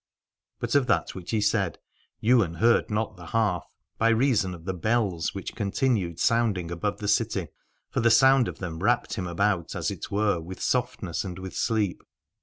But of that which he said Ywain heard not the half, by reason of the bells which continued sounding above the city: for the sound of them wrapt him about as it were with softness and with sleep.